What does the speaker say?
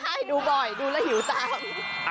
ใช่ดูบ่อยดูแล้วหิวตาม